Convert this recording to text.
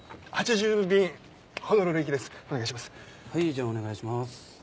じゃあお願いします。